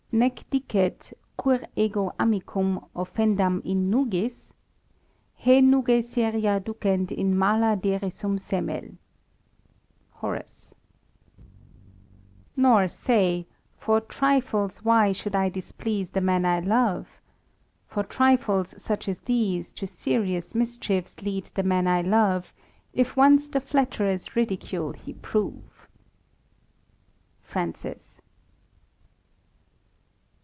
<( Nee dicet, cur ego amicum Offendam in nugis ? Ha nuga seria ducent In mala derisum semeU HoR. Nor say, for trifles why should I displease The man I love ? For trifles such as these To serious michiefs lead the man I love, If once the flatterer's ridicule he prove." Francis.